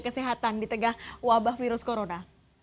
kesehatan di tengah wabah virus corona